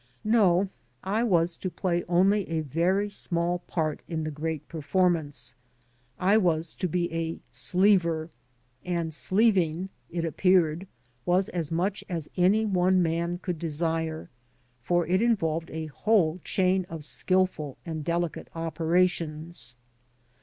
No, I was to play only a very small part in the great performance. I was to be a sleever; and sleeving, it appeared, was as much as any one man could desire, for it involved a whole chain of skilful and delicate operations.